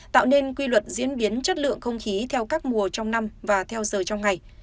tạo nên quy luật diễn biến chất lượng không khí theo các mùa trong năm và theo giờ trong ngày